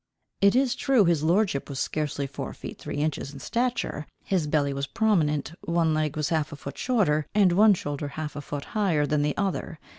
It is true, his lordship was scarcely four feet three inches in stature, his belly was prominent, one leg was half a foot shorter, and one shoulder half a foot higher than the other.